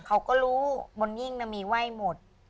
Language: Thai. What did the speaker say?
เขาก็รู้บนหิ้งมีไหว้หมด